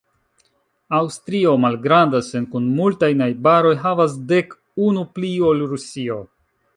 Aŭstrio, malgranda, sed kun multaj najbaroj, havas dek, unu pli ol Rusio.